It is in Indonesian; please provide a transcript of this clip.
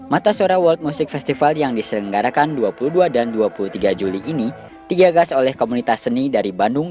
mata suara world music festival yang diselenggarakan dua puluh dua dan dua puluh tiga juli ini digagas oleh komunitas seni dari bandung